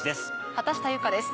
畑下由佳です。